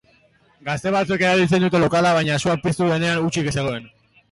Gazte batzuek erabiltzen dute lokala, baina sua piztu denean hutsik zegoen.